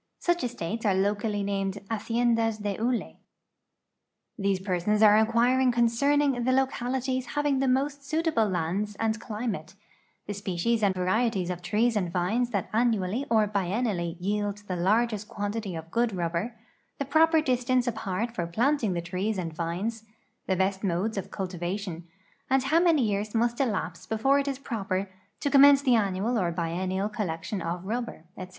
Such estati's are locally named hacieiuhts dc hide. These persons are incpiiring concerning the localities having the most suitable lands and climate, the species and varieties of trees and vines that anmially or biennial]}' yield the largest quantity of good rubber, the pro|)er distance apart for planting the trees and vines, the best modes of cultivation, and how^ many years must elapse before it is proper to commence the annual or biennial collection of rubber, etc.